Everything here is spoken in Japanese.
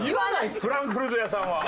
フランクフルト屋さんは。